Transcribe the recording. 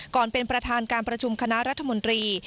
เป็นประธานการประชุมคณะรัฐมนตรี